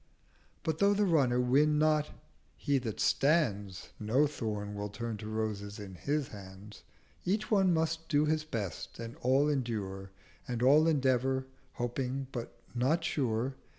— But though the Runner win not, he that stands, No Thorn will turn to Roses in his Hands: Each one must do his best and all endure, And all endeavour, hoping but not sure.